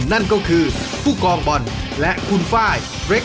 นั่นก็คือผู้กองบอลและคุณฝ้าย